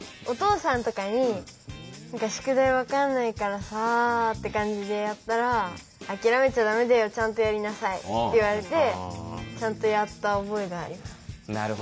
お父さんとかに「宿題分かんないからさあ」って感じでやったら「あきらめちゃダメだよ。ちゃんとやりなさい」って言われてちゃんとやった覚えがあります。